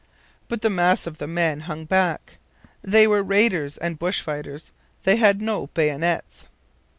But the mass of the men hung back. They were raiders and bush fighters. They had no bayonets.